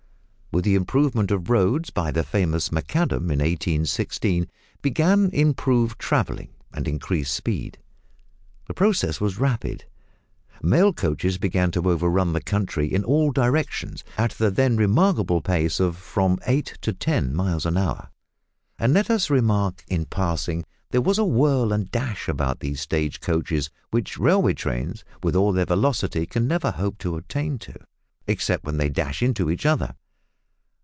With the improvement of roads by the famous Macadam in 1816, began improved travelling and increased speed. The process was rapid. Mail coaches began to overrun the country in all directions at the then remarkable pace of from eight to ten miles an hour, and, let us remark in passing, there was a whirl and dash about these stage coaches which railway trains, with all their velocity can never hope to attain to, except when they dash into each other!